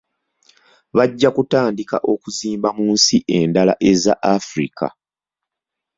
Bajja kutandika okuzimba mu nsi endala eza Africa.